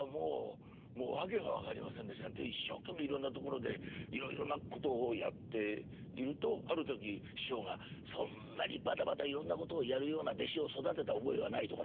一生懸命いろんなところでいろいろなことをやっているとある時師匠が「そんなにバタバタいろんなことをやるような弟子を育てた覚えはない」とか。